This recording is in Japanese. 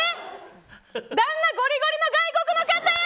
旦那、ゴリゴリの外国の方！